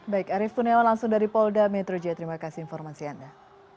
baik arief tuniawan langsung dari polda metro jaya terima kasih informasi anda